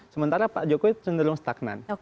sementara pak jokowi cenderung stagnan